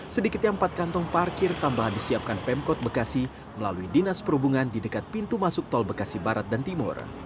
sedikitnya empat kantong parkir tambahan disiapkan pemkot bekasi melalui dinas perhubungan di dekat pintu masuk tol bekasi barat dan timur